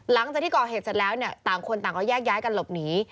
หลังจากที่ก่อเหตุเสร็จแล้วเนี่ยต่างคนต่างก็แยกย้ายกันหลบหนี